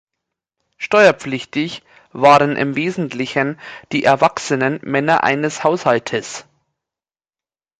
Steuerpflichtig waren im Wesentlichen die erwachsenen Männer eines Haushaltes.